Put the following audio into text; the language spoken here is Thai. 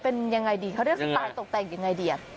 เป็นยังไงดีเขาเรียกสไตล์ตกแต่งยังไงดี